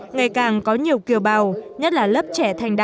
ngày càng có nhiều kiều bào nhất là lớp trẻ thành đạo